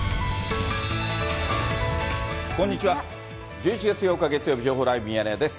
１１月８日月曜日、情報ライブミヤネ屋です。